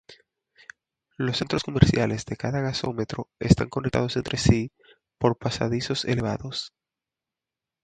Los centros comerciales de cada gasómetro están conectados entre sí por pasadizos elevados.